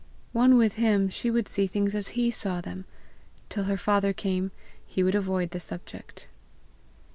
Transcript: One with him, she would see things as he saw them! Till her father came, he would avoid the subject!